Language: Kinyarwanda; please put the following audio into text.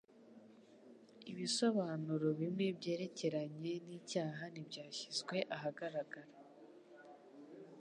Ibisobanuro bimwe byerekeranye nicyaha ntibyashyizwe ahagaragara.